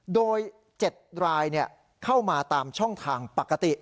โดย๗รายเข้ามาตามช่องทางปกติ